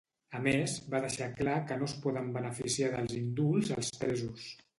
A més, va deixar clar que no es poden beneficiar dels indults als presos.